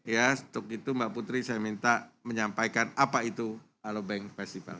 ya untuk itu mbak putri saya minta menyampaikan apa itu alobank festival